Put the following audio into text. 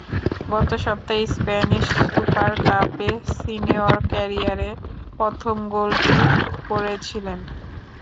গত সপ্তাহে Spanish super কাপে সিনিয়র ক্যারিয়ারে প্রথম গোলটি করেছিলেন।